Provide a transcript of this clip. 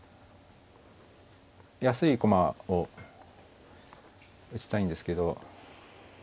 安い駒を打ちたいんですけど。